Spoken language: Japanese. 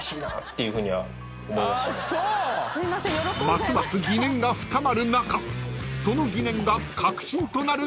［ますます疑念が深まる中その］